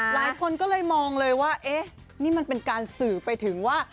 หลายคนก็เลยมองเลยว่าเอ๊ะนี่มันเป็นการสื่อไปถึงว่า